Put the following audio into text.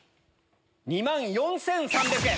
２万４３００円。